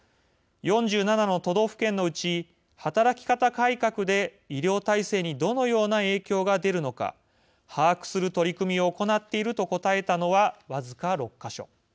４７の都道府県のうち働き方改革で医療体制にどのような影響が出るのか把握する取り組みを行っていると答えたのは、僅か６か所。